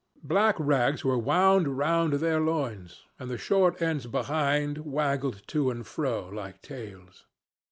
Black rags were wound round their loins, and the short ends behind wagged to and fro like tails.